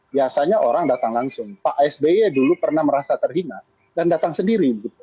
biasanya orang datang langsung pak sby dulu pernah merasa terhina dan datang sendiri